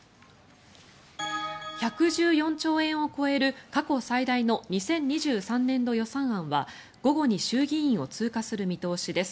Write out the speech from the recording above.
１１４兆円を超える過去最大の２０２３年度予算案は午後に衆議院を通過する見通しです。